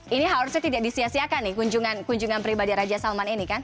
ini harusnya tidak disiasiakan nih kunjungan pribadi raja salman ini kan